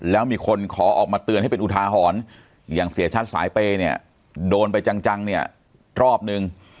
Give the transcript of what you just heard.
แล้วมีคนขอออกมาเตือนให้เป็นอุทาหรณ์อย่างเสียชัดสายเปย์เนี่ยโดนไปจังเนี่ยรอบนึง